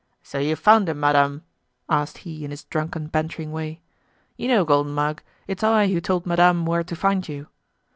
"So you've found him, madame?" asked he in his drunken bantering way. "You know, Golden Mug, it's I who told madame where to find you."